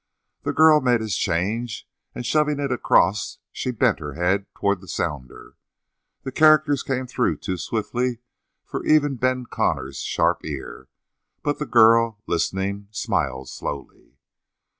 The girl made his change, and shoving it across, she bent her head toward the sounder. The characters came through too swiftly for even Ben Connor's sharp ear, but the girl, listening, smiled slowly.